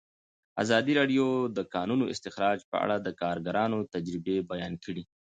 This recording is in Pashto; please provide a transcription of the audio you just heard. ازادي راډیو د د کانونو استخراج په اړه د کارګرانو تجربې بیان کړي.